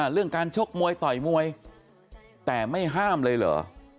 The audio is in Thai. เรื่องการชกมวยต่อยมวยแต่ไม่ห้ามเลยเหรอ